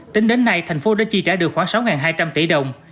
tính đến nay thành phố đã chi trả được khoảng sáu hai trăm linh tỷ đồng